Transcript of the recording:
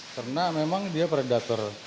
karena memang dia predator